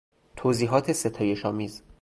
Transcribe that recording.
توضیحات ستایشآمیز